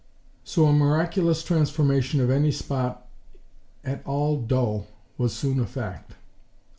'" So a miraculous transformation of any spot at all dull was soon a fact.